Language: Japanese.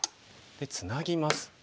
ツナぎます。